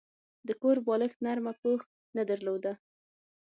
د کور بالښت نرمه پوښ نه درلوده.